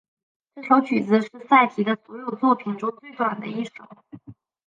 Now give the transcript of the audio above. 这首曲子是萨提的所有作品中最短的一首。